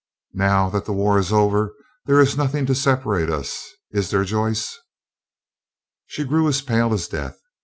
Now that the war is over, there is nothing to separate us, is there, Joyce?" She grew as pale as death.